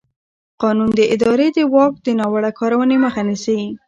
قانون د ادارې د واک د ناوړه کارونې مخه نیسي.